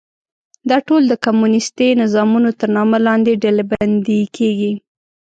دا ټول د کمونیستي نظامونو تر نامه لاندې ډلبندي کېږي.